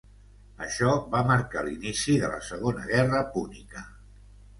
Això va marcar l'inici de la Segona Guerra Púnica.